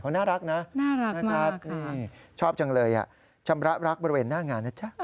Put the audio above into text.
น่ารักนะน่ารักนะครับชอบจังเลยชำระรักบริเวณหน้างานนะจ๊ะ